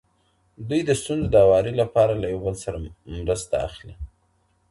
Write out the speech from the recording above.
دوی د ستونزو د هواري لپاره له يو بل مرسته اخلي.